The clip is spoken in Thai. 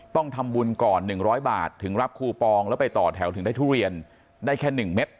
ต้องทำบุญก่อน๑๐๐บาทถึงรับคูปองแล้วไปต่อแถวถึงได้ทุเรียนได้แค่๑เม็ด